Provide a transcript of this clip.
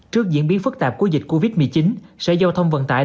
trước diễn biến phức tạp của dịch covid một mươi chín sở giao thông vận tải